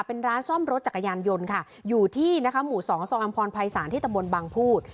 เป็นร้านซ่อมรถจักรยานยนต์ค่ะอยู่ที่นะคะหมู่สองซองอำพรภัยศาลที่ตำบลบางพูด